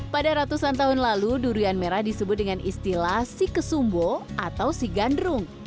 pada ratusan tahun lalu durian merah disebut dengan istilah si kesumbo atau si gandrung